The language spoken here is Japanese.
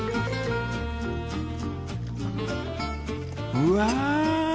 うわ！